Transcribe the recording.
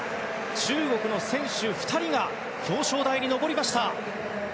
中国の選手２人が表彰台に上りました。